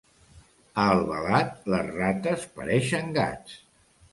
A Albalat, les rates pareixen gats.